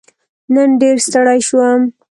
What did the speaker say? نن ډېر ستړی شوم.